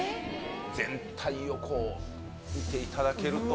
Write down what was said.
全体を見ていただけると。